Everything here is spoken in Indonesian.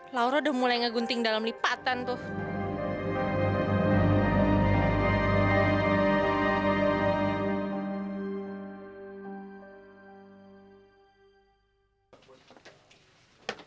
laura udah mulai ngegunting dalam lipatan tuh